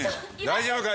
大丈夫か？